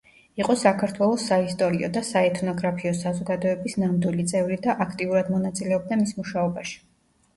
იყო საქართველოს საისტორიო და საეთნოგრაფიო საზოგადოების ნამდვილი წევრი და აქტიურად მონაწილეობდა მის მუშაობაში.